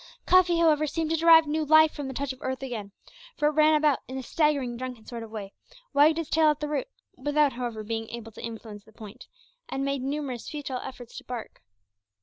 Cuffy, however, seemed to derive new life from the touch of earth again, for it ran about in a staggering drunken sort of way; wagged its tail at the root, without, however, being able to influence the point, and made numerous futile efforts to bark.